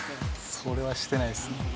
それはしてないですね。